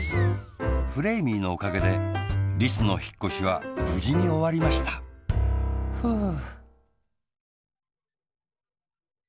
フレーミーのおかけでリスのひっこしはぶじにおわりましたふう。